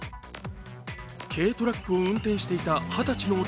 軽トラックを運転していた二十歳の男